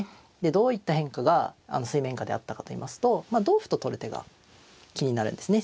どういった変化が水面下であったかといいますとまあ同歩と取る手が気になるんですね